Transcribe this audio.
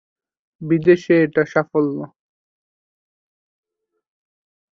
বিদেশে এটা শেষ সাফল্য।